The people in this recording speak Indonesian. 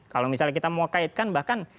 kalau misalnya kita mau kaitkan bahkan